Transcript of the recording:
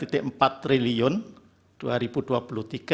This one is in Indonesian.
empat ratus empat puluh tiga empat triliun tahun dua ribu dua puluh tiga